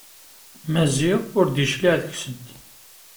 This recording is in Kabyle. Maziɣ ur d-yecliɛ deg-sent.